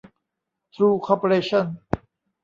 ทรู คอร์ปอเรชั่น